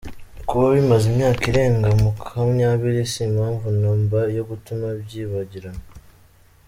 Kuba bimaze imyaka irenga makumyabiri si impamvu na mba yo gutuma byibagirana.